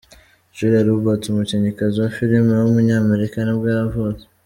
Julia Roberts, umukinnyikazi wa filime w’umunyamerika nibwo yavutse.